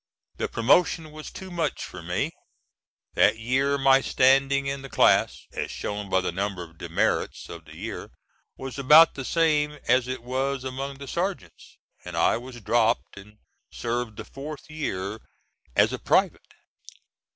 The promotion was too much for me. That year my standing in the class as shown by the number of demerits of the year was about the same as it was among the sergeants, and I was dropped, and served the fourth year as a private.